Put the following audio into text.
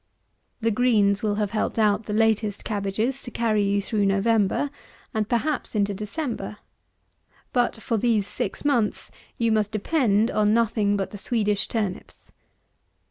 The greens will have helped put the latest cabbages to carry you through November, and perhaps into December. But for these six months, you must depend on nothing but the Swedish turnips.